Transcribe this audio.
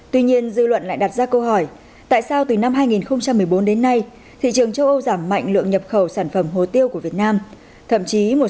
tuy nhiên dư luận lại đặt ra câu hỏi tại sao từ năm hai nghìn một mươi bốn đến nay thị trường châu âu giảm mạnh lượng nhập khẩu sản phẩm hồ tiêu của việt nam